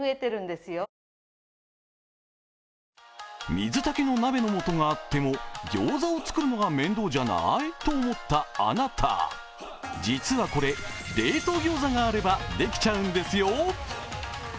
水炊きの鍋のもとがあってもギョウザを作るのが面倒じゃない？と思ったあなた、実はこれ、冷凍ギョウザがあればできちゃうんですよ。